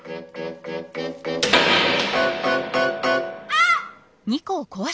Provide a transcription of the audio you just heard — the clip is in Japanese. あっ！